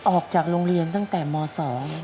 ออกจากโรงเรียนตั้งแต่มสอง